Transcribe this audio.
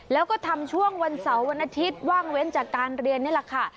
แล้วก็ทำช่วงวันเสาร์วันอาทิตย์ว่างเว้นจากการเรียนนี่แหละค่ะ